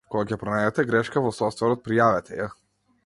Кога ќе пронајдете грешка во софтверот, пријавете ја.